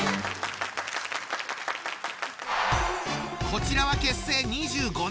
こちらは結成２５年。